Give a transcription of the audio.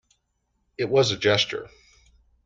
It was a gesture.